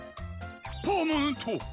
パーマネント！？